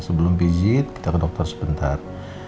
sebelum digit kita ke dokter sebentar